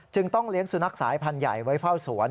ต้องเลี้ยงสุนัขสายพันธุ์ใหญ่ไว้เฝ้าสวน